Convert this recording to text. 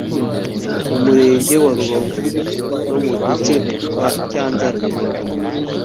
mu murenge wa rubavu no mu duce twa cyanzarwe